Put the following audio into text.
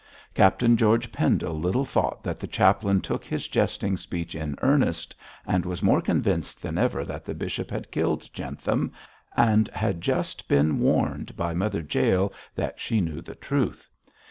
Captain George Pendle little thought that the chaplain took his jesting speech in earnest, and was more convinced than ever that the bishop had killed Jentham, and had just been warned by Mother Jael that she knew the truth.